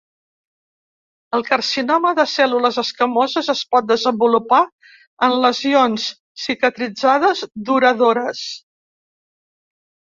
El carcinoma de cèl·lules escamoses es pot desenvolupar en lesions cicatritzades duradores.